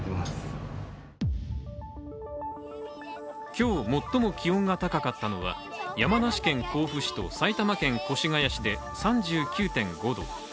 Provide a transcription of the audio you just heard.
今日最も気温が高かったのは山梨県甲府市と埼玉県越谷市で３９．５度。